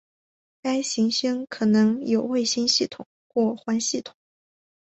该行星可能有卫星系统或环系统。